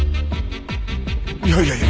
いやいや。